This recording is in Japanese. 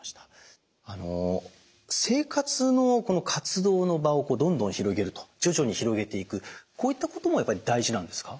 生活の活動の場をどんどん広げると徐々に広げていくこういったこともやっぱり大事なんですか？